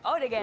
oh udah ganti